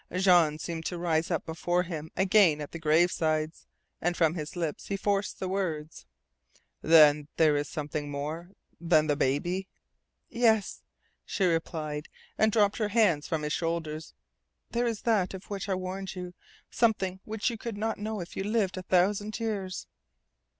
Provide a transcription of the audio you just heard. Jean seemed to rise up before him again at the grave sides, and from his lips he forced the words: "Then there is something more than the baby?" "Yes," she replied, and dropped her hands from his shoulders. "There is that of which I warned you something which you could not know if you lived a thousand years."